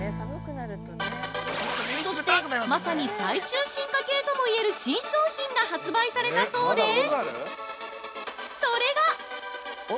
そして、まさに最終進化系ともいえる新商品が発売されたそうでそれが！